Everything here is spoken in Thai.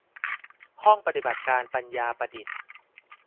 ห้องปฏิบัติการปัญญาประดิษฐ์